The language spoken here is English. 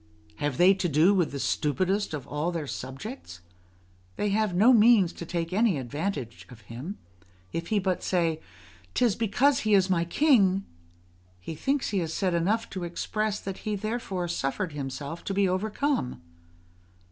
Have they to do with the stupidest of all their subjects? they have no means to take any advantage of him; if he but say: "'Tis because he is my king," he thinks he has said enough to express that he therefore suffered himself to be overcome.